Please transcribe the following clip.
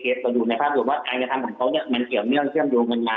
เราดูในภาพรวมว่าการกระทำของเขาเนี่ยมันเกี่ยวเนื่องเชื่อมโยงกันมา